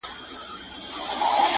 یو اصیل زوی ژوندی وي